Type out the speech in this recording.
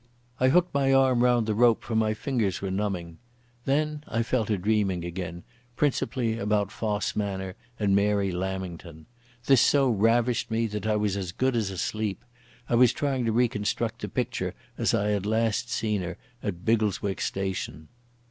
I hooked my arm round the rope, for my fingers were numbing. Then I fell to dreaming again, principally about Fosse Manor and Mary Lamington. This so ravished me that I was as good as asleep. I was trying to reconstruct the picture as I had last seen her at Biggleswick station....